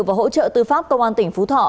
và hỗ trợ tư pháp công an tỉnh phú thọ